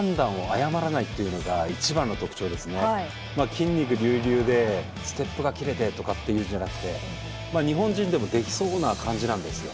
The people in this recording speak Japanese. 筋肉隆々でステップが切れてとかっていうんじゃなくて日本人でもできそうな感じなんですよ。